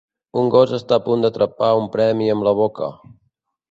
Un gos està a punt d'atrapar un premi amb la boca.